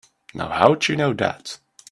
Now how'd you know that?